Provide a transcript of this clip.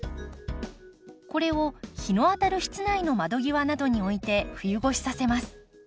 これを日の当たる室内の窓際などに置いて冬越しさせます。